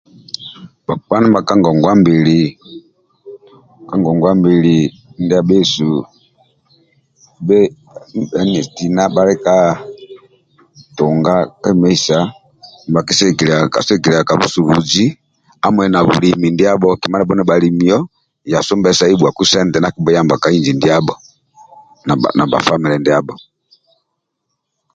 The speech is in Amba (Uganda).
Bhakpa ndibha ka ngongwa mbili ndia bhesu bhe tina bhali ka tunga kwemeisa sigikilia ka busubuzi hamui na bulimi ndiabho kima ndia bhalimio ya sumbesai bhuaku sente ndia akibhuyamba ka inji ndiabho nabha famile ndiabho